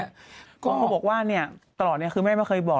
เขาก็บอกว่าตลอดนี้คือแม่ไม่เคยบอก